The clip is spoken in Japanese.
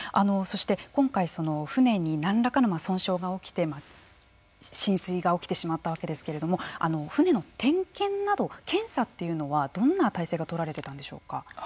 そして、今回船に何らかの損傷が起きて浸水が起きてしまったわけですけれども船の点検など検査というのはどんな体制が取られていたんでしょうか。